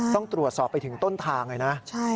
ต้องตรวจสอบไปถึงต้นทางเลยนะ